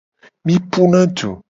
Mi puna du .